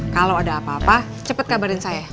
kalau ada apa apa cepet kabarin saya